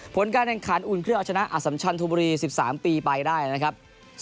ผลการแข่งขันอุ่นเครื่องเอาชนะอสัมชันธบุรี๑๓ปีไปได้นะครับ